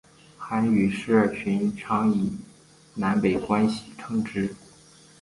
韩语社群常以南北关系称之。